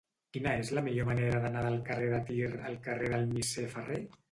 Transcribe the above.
Quina és la millor manera d'anar del carrer de Tir al carrer del Misser Ferrer?